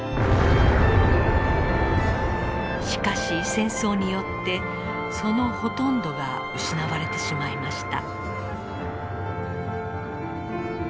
しかし戦争によってそのほとんどが失われてしまいました。